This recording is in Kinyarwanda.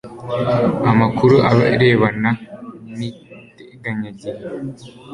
amakuru arebana n iteganyagihe